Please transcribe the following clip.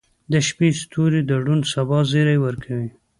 • د شپې ستوري د روڼ سبا زیری ورکوي.